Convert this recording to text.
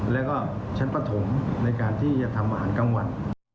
แล้วก็ชั้นประถมในการที่จะทำอาหารกลางวัน